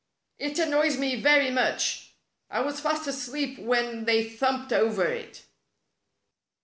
It annoys me very much. I was fast asleep when they thumped over it."